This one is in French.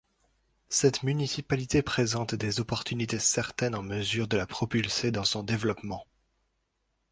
Cette municipalité présente des opportunités certaines en mesure de la propulser dans son développement.